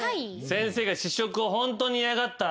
先生が試食をホントに嫌がった。